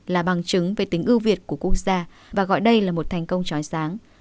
là bằng chứng về tính ưu việt của quốc gia và gọi đây là một thành công trói sáng